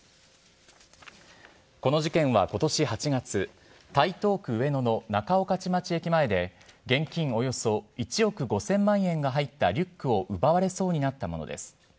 この事件はことし８月、台東区上野の仲御徒町駅前で、現金およそ１億５０００万円が入ったリュックを奪われそうになったものです。